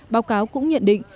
báo cáo cũng nhận định